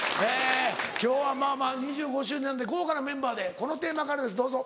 今日はまぁまぁ２５周年なんで豪華なメンバーでこのテーマからですどうぞ。